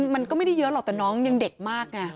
มันก็ไม่ได้เยอะหรอกแต่น้องยังเด็กมากไง